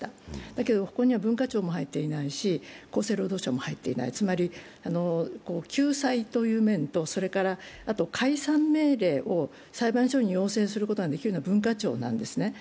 だけど、ここには文化庁も入っていないし、厚生労働省も入っていないつまり救済という面とあと解散命令を裁判所に要請することができるのは文化庁なんですね。